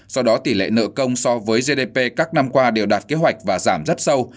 do đó tỷ lệ nợ công so với gdp các năm qua đều đạt kế hoạch và giảm rất sâu